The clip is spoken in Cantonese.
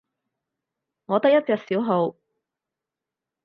我得一隻小號